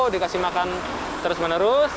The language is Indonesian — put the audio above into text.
dikasih makan terus menerus